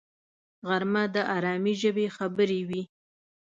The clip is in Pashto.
غرمه د آرامي ژبې خبرې وي